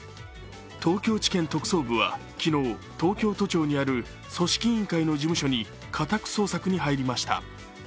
東京地検特捜部は昨日東京都庁にある組織委員会の事務所に家宅捜索に入りました。